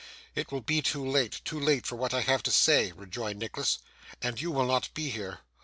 'It will be too late too late for what I have to say,' rejoined Nicholas, 'and you will not be here.